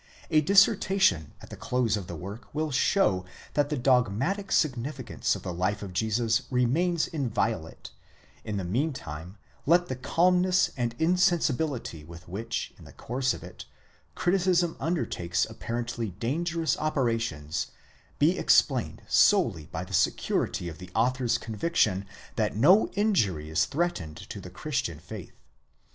A dissertation at the close of the work will show that the dogmatic signifi cance of the life of Jesus remains inviolate: in the meantime let the calmness and insensibility with which, in the course of it, criticism undertakes appa rently dangerous operations, be explained solely by the security of the author's ν΄ conviction that no injury is threatened to the Ciristian faith.